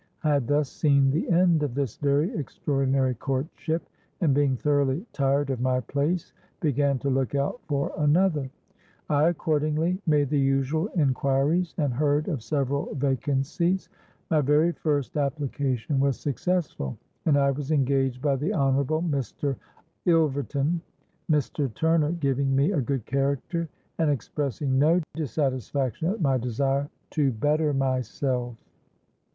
I had thus seen the end of this very extraordinary courtship, and being thoroughly tired of my place, began to look out for another. I accordingly made the usual enquiries, and heard of several vacancies. My very first application was successful, and I was engaged by the Honourable Mr. Ilverton, Mr. Turner giving me a good character and expressing no dissatisfaction at my desire 'to better myself.'